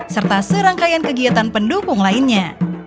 serta serangkaian kegiatan pendukung lainnya